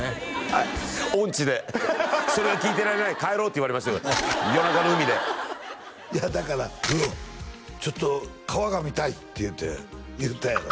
はい音痴で「それは聴いてられない」「帰ろう」って言われました夜中の海でいやだから「ウドちょっと川が見たい」っていって言ったやろ？